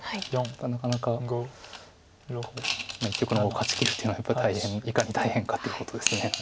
なかなか一局の碁を勝ちきるっていうのはやっぱり大変いかに大変かっていうことです。